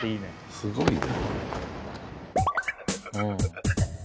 すごいな。